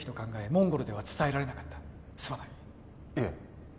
モンゴルでは伝えられなかったすまないいえ